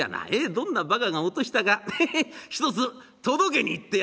どんなばかが落としたかヘヘッひとつ届けに行ってやろう」。